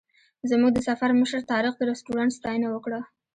زموږ د سفر مشر طارق د رسټورانټ ستاینه وکړه.